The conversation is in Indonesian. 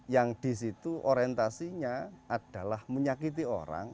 yang disitu orientasinya adalah menyakiti orang